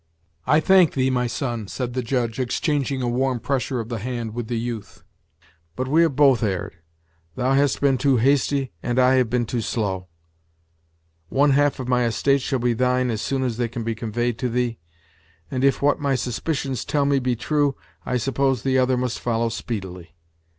"I thank thee, my son," said the Judge, exchanging a warm pressure of the hand with the youth; "but we have both erred: thou hast been too hasty, and I have been too slow. One half of my estates shall be thine as soon as they can be conveyed to thee; and, if what my suspicions tell me be true, I suppose the other must follow speedily."